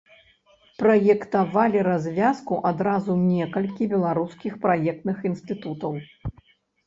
Праектавалі развязку адразу некалькі беларускіх праектных інстытутаў.